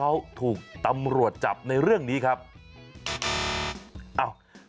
สุดท้ายเขาถูกตำรวจจับในเรื่องนี้ครับสุดท้ายเขาถูกตำรวจจับในเรื่องนี้ครับ